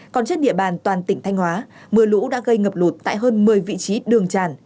còn trên địa bàn toàn tỉnh thanh hóa mưa lũ đã gây ngập lụt tại hơn một mươi vị trí đường tràn